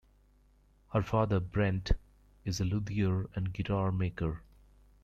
Her father, Brent, is a luthier and guitar maker.